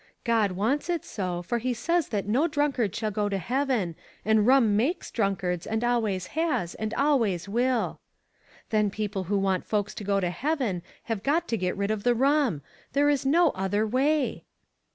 God wants it so, for he says that no drunkard shall go to heaven, and rum makes drunkards, and always has, and always will. Then people who want folks to go to heaven have got to get rid of the rum. There is no other way."